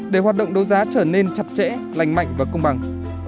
để hoạt động đấu giá trở nên chặt chẽ lành mạnh và công bằng